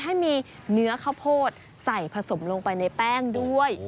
ให้มีเนื้อข้าวโพดใส่ผสมลงไปในแป้งด้วย